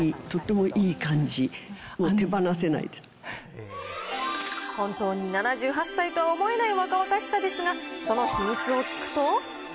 もう、本当に７８歳とは思えない若々しさですが、その秘密を聞くと。